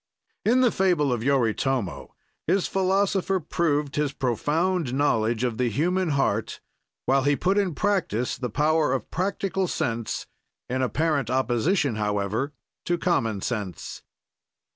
In the fable of Yoritomo, his philosopher proved his profound knowledge of the human heart, while he put in practise the power of practical sense in apparent opposition, however, to common sense.